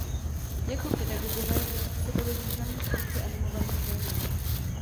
Jako pedagogové zde působili významní tvůrci animovaných filmů.